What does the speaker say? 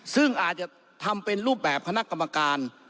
ซึ่งอาจจะทำเป็นรูปแบบคณะกรรมการ